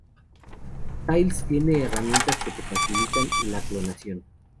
Tails tiene herramientas que te facilitan la clonación